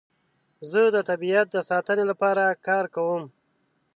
زه د طبیعت د ساتنې لپاره کار کوم.